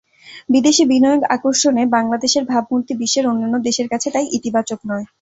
বিদেশি বিনিয়োগ আকর্ষণে বাংলাদেশের ভাবমূর্তি বিশ্বের অন্যান্য দেশের কাছে তাই ইতিবাচক নয়।